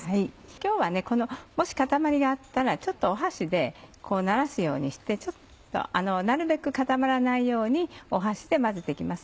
今日はこのもし固まりがあったらちょっと箸でこうならすようにしてなるべく固まらないように箸で混ぜて行きます。